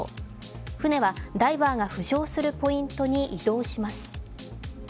船はダイバーが浮上するポイントに移動します